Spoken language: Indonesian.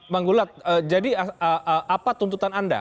bang gulat jadi apa tuntutan anda